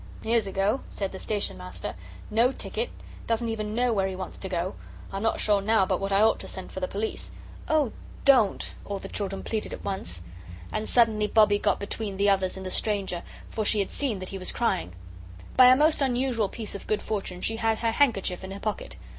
"Here's a go," said the Station Master; "no ticket doesn't even know where he wants to go. I'm not sure now but what I ought to send for the police." "Oh, DON'T!" all the children pleaded at once. And suddenly Bobbie got between the others and the stranger, for she had seen that he was crying. By a most unusual piece of good fortune she had a handkerchief in her pocket.